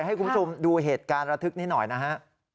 ให้คุณผู้ชมดูเหตุการณ์ระทึกนี้หน่อยนะฮะ